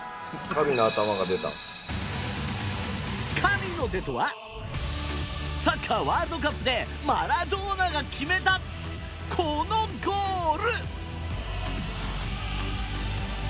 「神の手」とはサッカーワールドカップでマラドーナが決めた、このゴール。